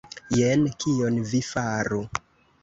Jen kion vi faru.